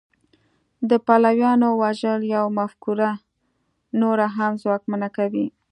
د پلویانو وژل یوه مفکوره نوره هم ځواکمنه کوي